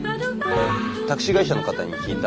タクシー会社の方に聞いた。